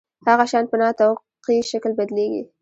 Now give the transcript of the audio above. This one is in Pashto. هغه شیان په نا توقعي شکل بدلیږي.